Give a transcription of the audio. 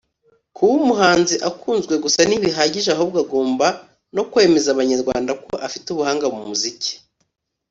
Kuba umuhanzi akunzwe gusa ntibihagije ahubwo agomba no kwemeza Abanyarwanda ko afite ubuhanga mu muziki